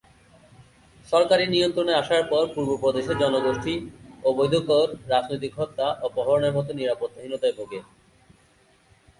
সরকারি নিয়ন্ত্রণে আসার পর পূর্ব প্রদেশের জনগোষ্ঠী অবৈধ কর, রাজনৈতিক হত্যা, অপহরণের মতো নিরাপত্তাহীনতায় ভোগে।